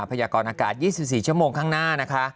พยากรอากาศ๒๔ชั่วโมงข้างหน้านะคะ